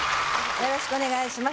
よろしくお願いします